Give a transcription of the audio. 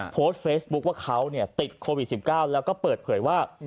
โพสต์เฟซบุ๊คว่าเขาติดโควิด๑๙แล้วก็เปิดเผยว่า